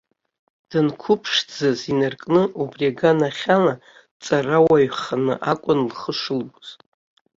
Данқәыԥшӡаз инаркны, убри аганахьала дҵарауаҩханы акәын лхы шылбоз.